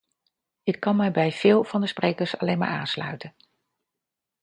Ik kan mij bij veel van de sprekers alleen maar aansluiten.